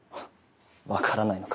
分からないのか。